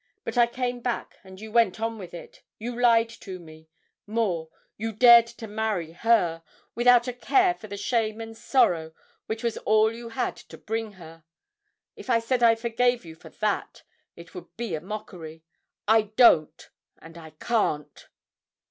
But I came back, and you went on with it; you lied to me more, you dared to marry her, without a care for the shame and sorrow, which was all you had to bring her. If I said I forgave you for that, it would be a mockery. I don't, and I can't!'